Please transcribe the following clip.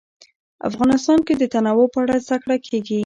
افغانستان کې د تنوع په اړه زده کړه کېږي.